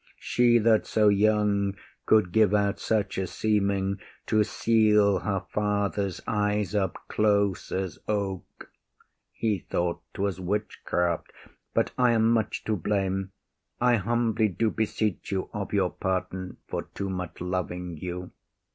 She that so young could give out such a seeming, To seal her father’s eyes up close as oak, He thought ’twas witchcraft. But I am much to blame. I humbly do beseech you of your pardon For too much loving you.